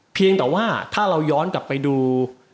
เพียงแต่ว่าถ้าเราย้อนกลับไปดู